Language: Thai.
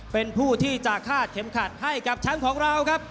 เป็นผู้ที่จะฆาตเข็มขาดให้กับชั้นของเรา